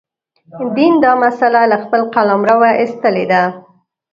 دین دا مسأله له خپل قلمروه ایستلې ده.